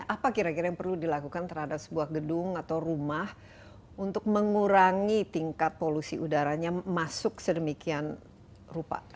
apa kira kira yang perlu dilakukan terhadap sebuah gedung atau rumah untuk mengurangi tingkat polusi udaranya masuk sedemikian rupa